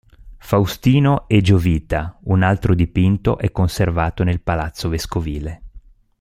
Faustino e Giovita; un altro dipinto è conservato nel Palazzo Vescovile.